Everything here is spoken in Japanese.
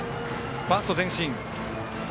ファースト前進。